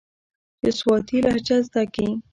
چې سواتي لهجه زده کي.